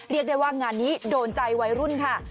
เรียกได้ว่างานนี้โดนใจวัยรุ่นค่ะ